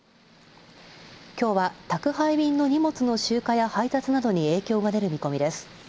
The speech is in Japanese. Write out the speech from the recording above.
きょうは宅配便の荷物の集荷や配達などに影響が出る見込みです。